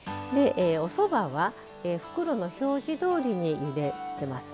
おそばは袋の表示どおりにゆでてます。